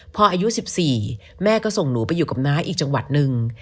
พออายุ๑๔แม่ก็ส่งหนูไปอยู่กับน้าอีกจังหวัดหนึ่ง